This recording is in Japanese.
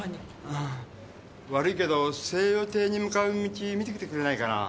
うん悪いけど西洋亭に向かう道見てきてくれないかな。